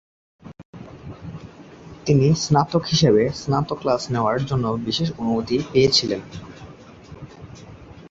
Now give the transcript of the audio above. তিনি স্নাতক হিসাবে স্নাতক ক্লাস নেওয়ার জন্য বিশেষ অনুমতি পেয়েছিলেন।